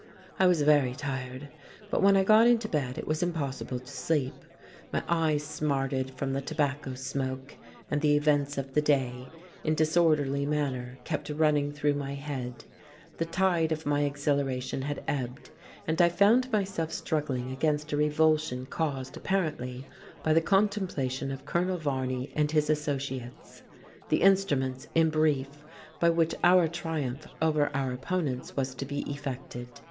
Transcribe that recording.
I was very tired. But when I got into bed, it was impossible to sleep. My eyes smarted from the tobacco smoke; and the events of the day, in disorderly manner, kept running through my head. The tide of my exhilaration had ebbed, and I found myself struggling against a revulsion caused, apparently, by the contemplation of Colonel Varney and his associates; the instruments, in brief, by which our triumph over our opponents was to be effected.